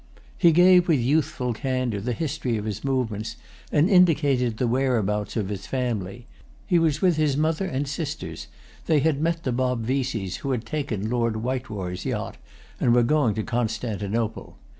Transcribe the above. He gave with youthful candour the history of his movements and indicated the whereabouts of his family: he was with his mother and sisters; they had met the Bob Veseys, who had taken Lord Whiteroy's yacht and were going to Constantinople.